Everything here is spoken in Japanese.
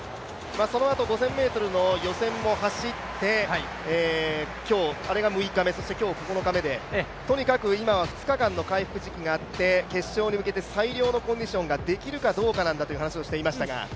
そのあと５０００ｍの予選も走ってあれが６日目そして今日９日目で、とにかく今は２日間の回復時期があって決勝に向けて最良のコンディションができるかどうかだと話していましたが。